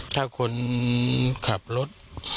ถ้าคนขับรถ